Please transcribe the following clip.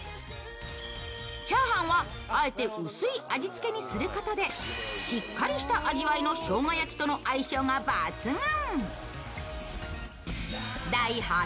チャーハンはあえて薄い味付けにすることでしっかりした味わいの生姜焼きとの相性が抜群。